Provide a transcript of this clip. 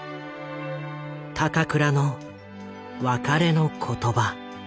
高倉の別れの言葉。